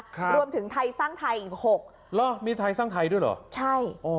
ครับรวมถึงไทยสร้างไทยอีกหกเหรอมีไทยสร้างไทยด้วยเหรอใช่อ๋อ